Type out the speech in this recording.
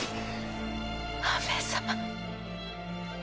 半兵衛様。